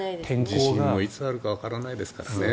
地震もいつあるかわからないですからね。